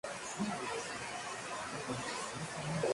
El periódico de mayor trayectoria es The Aegis.